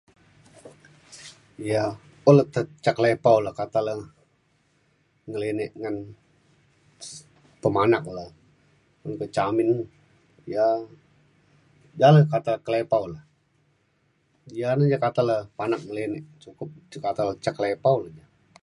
ya un lokte ca kelepau kata le ngelinek ngan s-pemanak le. un pa ca amin ia' jane kata ke lepau le. ia' na ia' kata le panak ngelinek cukup cuka kata kelepau le ja